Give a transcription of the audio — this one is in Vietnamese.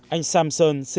anh samson sinh ra ở etiol